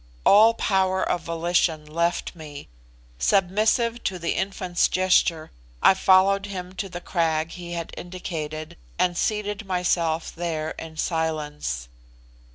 All power of volition left me. Submissive to the infant's gesture, I followed him to the crag he had indicated, and seated myself there in silence.